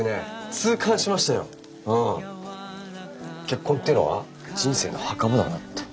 結婚っていうのは人生の墓場だなって。